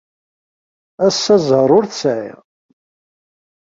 Assa ẓẓher ur t-sεiɣ!